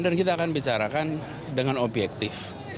dan kita akan bicarakan dengan objektif